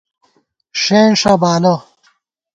ݭېنݭہ بالہ